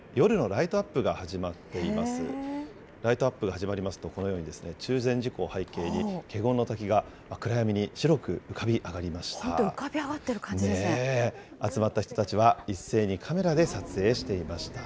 ライトアップが始まりますと、このように中禅寺湖を背景に、華厳滝が暗闇に白く浮かび上がりました。